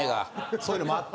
そういうのもあって。